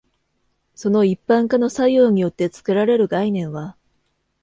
その一般化の作用によって作られる概念は、